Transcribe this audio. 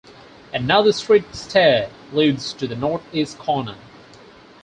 Another street stair leads to the northeast corner.